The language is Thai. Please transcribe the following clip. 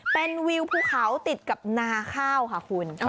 เป็นวิวภูเขาติดกับนาข้าวค่ะคุณ